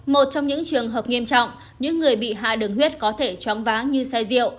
một trong những trường hợp nghiêm trọng những người bị hạ đường huyết có thể choáng váng như say rượu